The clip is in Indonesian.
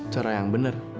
cara yang bener